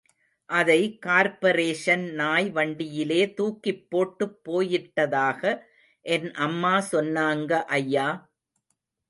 அதை கார்ப்பரேஷன் நாய் வண்டியிலே துக்கிப் போட்டுப் போயிட்டதாக என் அம்மா சொன்னாங்க... ஐயா.